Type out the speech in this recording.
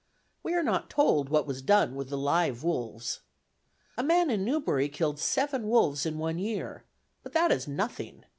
We are not told what was done with the live wolves. A man in Newbury killed seven wolves in one year; but that is nothing.